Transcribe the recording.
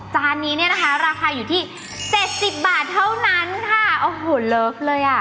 จานนี้เนี่ยนะคะราคาอยู่ที่เจ็ดสิบบาทเท่านั้นค่ะโอ้โหเลิฟเลยอ่ะ